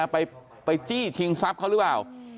ไปจี้ชิงทรัพย์เขาหรือเปล่า